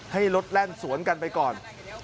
ให้รถแล่นสวนกันไปก่อน